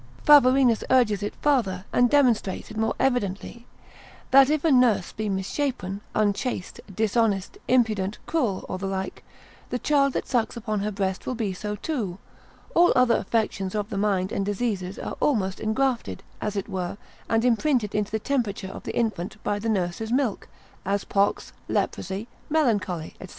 Phavorinus urges it farther, and demonstrates it more evidently, that if a nurse be misshapen, unchaste, dishonest, impudent, cruel, or the like, the child that sucks upon her breast will be so too; all other affections of the mind and diseases are almost engrafted, as it were, and imprinted into the temperature of the infant, by the nurse's milk; as pox, leprosy, melancholy, &c.